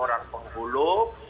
dua orang penghulu